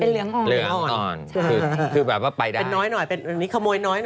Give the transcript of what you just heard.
เหลืองอ่อนเหลืองอ่อนคือคือแบบว่าไปได้เป็นน้อยหน่อยเป็นอันนี้ขโมยน้อยหน่อย